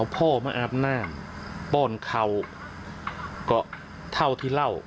พ่อมาอาบน้ำป้อนเขาก็เท่าที่เล่า